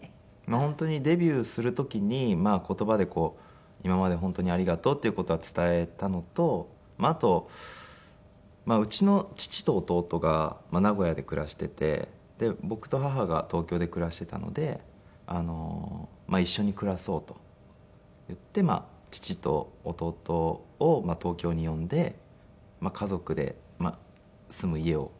本当にデビューする時に言葉でこう今まで本当にありがとうっていう事は伝えたのとあとうちの父と弟が名古屋で暮らしていて僕と母が東京で暮らしていたので一緒に暮らそうといって父と弟を東京に呼んで家族で住む家を買いましたね。